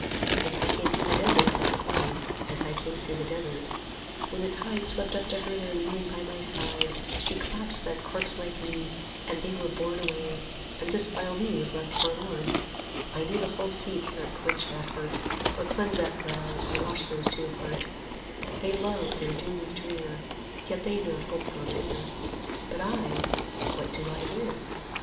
As I came through the desert thus it was, As I came through the desert: When the tide Swept up to her there kneeling by my side, She clasped that corpse like me, and they were borne 100 Away, and this vile me was left forlorn; I know the whole sea cannot quench that heart, Or cleanse that brow, or wash those two apart: They love; their doom is drear, Yet they nor hope nor fear; 105 But I, what do I here?